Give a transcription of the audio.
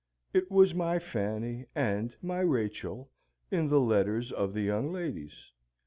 It was "my Fanny" and "my Rachel" in the letters of the young ladies.